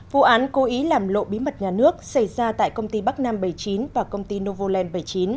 vụ án cố ý làm lộ bí mật nhà nước xảy ra tại công ty bắc nam bảy mươi chín và công ty novoland bảy mươi chín